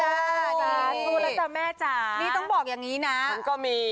สู้แล้วจ้ะแม่จ๋านี่ต้องบอกอย่างนี้นะมันก็มี